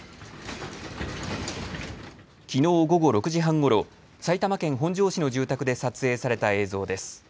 きのう午後６時半ごろ埼玉県本庄市の住宅で撮影された映像です。